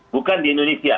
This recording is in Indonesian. bukan di indonesia